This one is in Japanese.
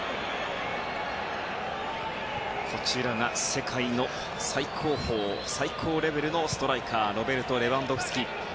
世界の最高峰最高レベルのストライカーロベルト・レバンドフスキ。